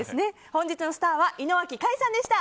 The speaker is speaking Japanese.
本日のスターは井之脇海さんでした。